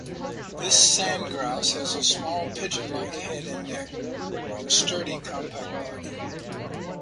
This sandgrouse has a small, pigeon-like head and neck, but a sturdy compact body.